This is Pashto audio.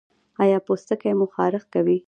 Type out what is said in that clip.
ایا پوستکی مو خارښ کوي؟